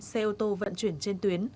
xe ô tô vận chuyển trên tuyến